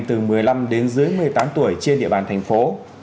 từ một mươi năm đến dưới một mươi tám tuổi trên địa bàn thành phố